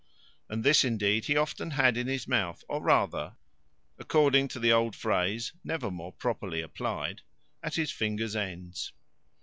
And this, indeed, he often had in his mouth, or rather, according to the old phrase, never more properly applied, at his fingers' ends.